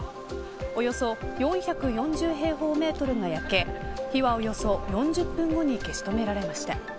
およそ４４０平方メートルが焼け火はおよそ４０分後に消し止められました。